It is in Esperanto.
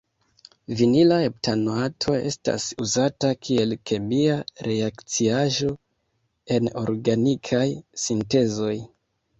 Vinila heptanoato estas uzata kiel kemia reakciaĵo en organikaj sintezoj.